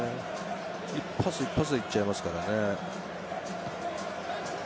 一発、一発でいっちゃいますからね。